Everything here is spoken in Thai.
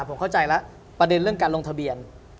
ผมเข้าใจแล้วประเด็นเรื่องการลงทะเบียน